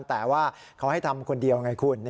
แต่ว่าเขาให้ทำคนเดียวไงคุณ